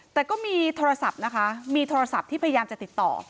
แต่ก็มีโทรศัพท์นะคะมีโทรศัพท์ที่พยายามจะติดต่อ